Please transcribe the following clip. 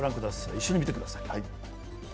一緒に見てください。